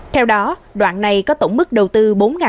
theo đó đoạn này có tổng mức đầu tư